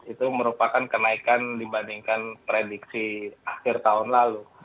itu merupakan kenaikan dibandingkan prediksi akhir tahun lalu